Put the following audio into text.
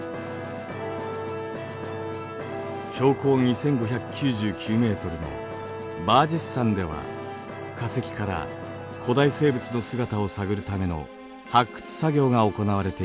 標高２５９９ｍのバージェス山では化石から古代生物の姿を探るための発掘作業が行われています。